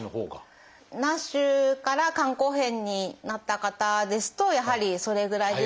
ＮＡＳＨから肝硬変になった方ですとやはりそれぐらいでして。